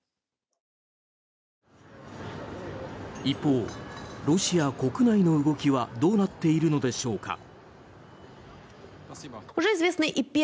一方、ロシア国内の動きはどうなっているのでしょうか。